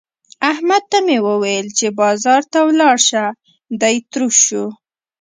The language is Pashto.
احمد ته مې وويل چې بازار ته ولاړ شه؛ دی تروش شو.